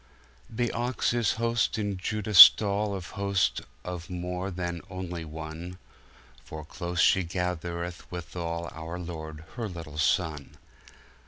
The Ox is host in Judah stallAnd Host of more than onelie one, For close she gathereth withalOur Lorde her littel Sonne.